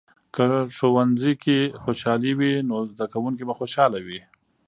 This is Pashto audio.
که ښوونځۍ کې خوشحالي وي، نو زده کوونکي به خوشحاله وي.